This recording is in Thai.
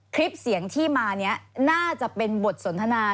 คลิปเสียงที่มานี้น่าจะเป็นบทสนทนา